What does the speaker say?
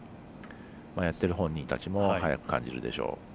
やってる本人たちも速く感じるでしょう。